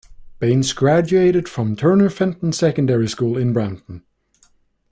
Bains graduated from Turner Fenton Secondary School in Brampton.